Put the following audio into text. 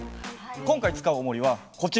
今回使うおもりはこちらです。